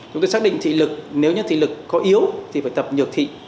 chúng tôi xác định thị lực nếu như thị lực có yếu thì phải tập nhược thị